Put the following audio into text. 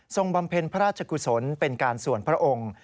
บำเพ็ญพระราชกุศลเป็นการส่วนพระองค์